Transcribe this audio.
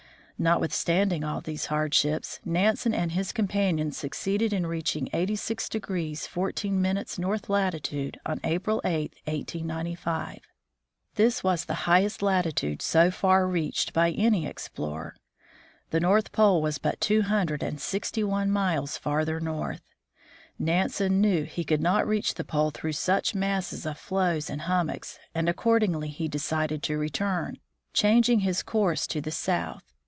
Notwithstanding all these hardships, Nansen and his companion succeeded in reaching 86° 14' north latitude on April 8, 1895. This was the highest latitude so far reached by any explorer. The North Pole was but two hundred and sixty one miles farther north. Nansen knew he could not reach the pole through such masses of floes and hum mocks, and accordingly he decided to return, changing his course to the south.